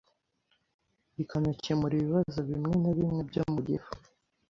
ikanakemura ibibazo bimwe na bimwe byo mu gifu